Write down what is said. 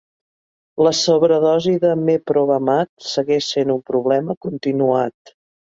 La sobredosi de meprobamat segueix sent un problema continuat.